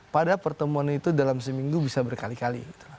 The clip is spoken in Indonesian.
pada pertemuan itu dalam seminggu bisa berkali kali